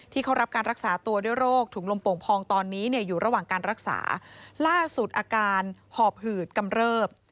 ที่เขารับการรักษาตัวด้วยโรคถุงลมโป่งพองตอนนี้เนี่ยอยู่ระหว่างการรักษาล่าสุดอาการหอบหืดกำเริบ